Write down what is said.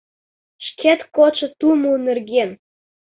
Шкет кодшо тумо нерген.